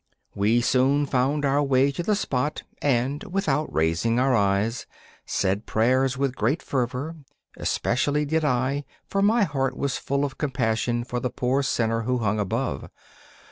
We soon found our way to the spot, and, without raising our eyes, said prayers with great fervour; especially did I, for my heart was full of compassion for the poor sinner who hung above.